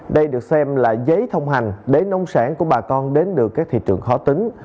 đây được xem là giấy thông hành để nông sản của bà con đến được các thị trường khó tính